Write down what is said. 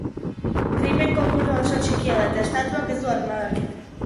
Krimen kopurua oso txikia da eta estatuak ez du armadarik.